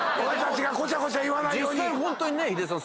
でも実際ホントにねヒデさん。